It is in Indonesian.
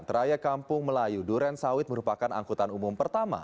teraya kampung melayu duren sawit merupakan angkutan umum pertama